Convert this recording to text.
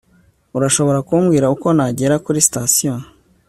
urashobora kumbwira uko nagera kuri sitasiyo